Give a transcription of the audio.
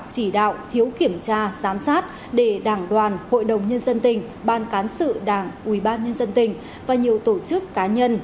chỉ đạo thiếu kiểm tra giám sát để đảng đoàn hội đồng nhân dân tỉnh ban cán sự đảng ubnd và nhiều tổ chức cá nhân